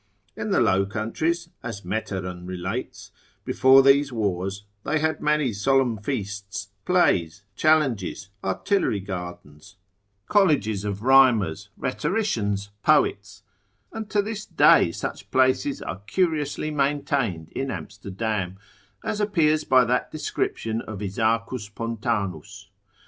In the Low Countries (as Meteran relates) before these wars, they had many solemn feasts, plays, challenges, artillery gardens, colleges of rhymers, rhetoricians, poets: and to this day, such places are curiously maintained in Amsterdam, as appears by that description of Isaacus Pontanus, rerum Amstelrod. lib. 2. cap. 25.